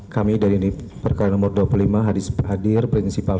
kami dari perkara nomor dua puluh lima hadir prinsipal